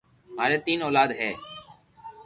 ماري تين اولاد ھي